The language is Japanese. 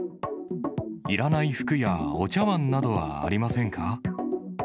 いらない服やお茶わんなどはありませんか？